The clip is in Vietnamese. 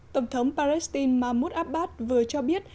tổng thống palestine mahmoud abbas vừa cho biết